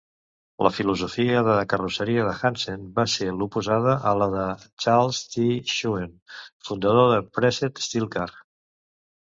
La filosofia de carrosseria de Hansen va ser l'oposada a la de Charles T. Schoen, fundador de Pressed Steel Car.